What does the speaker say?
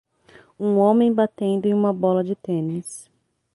Um homem batendo em uma bola de tênis.